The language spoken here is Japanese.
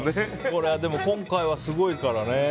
今回はすごいからね。